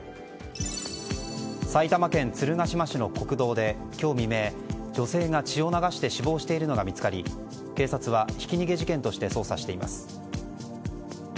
埼玉県鶴ヶ島市の国道で今日未明、女性が血を流して死亡しているのが見つかり警察はひき逃げ事件として捜査しています。